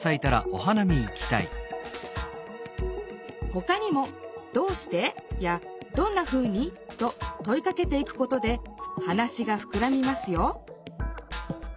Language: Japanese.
ほかにも「どうして？」や「どんな風に？」とといかけていくことで話がふくらみますよ